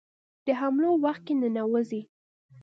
د حملو په وخت کې ننوزي.